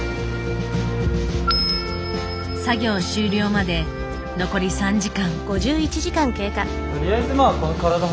作業終了まで残り３時間。